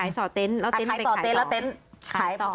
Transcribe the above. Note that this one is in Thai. ขายต่อเต้นแล้วเต้นขายต่อเต้นแล้วเต้นขายต่อ